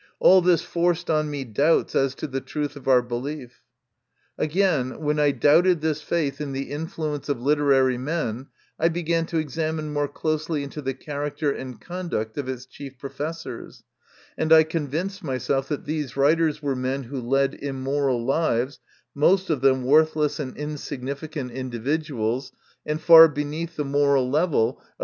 All this forced on me doubts as to the truth of our belief. Again, when I doubted this faith in the influence of literary men, I began to examine more closely into the character and conduct of its chief professors, and I convinced myself that these writers were men who led immoral lives, most of them worthless and insignificant individuals, and far beneath the moral level of 14 MY CONFESSION.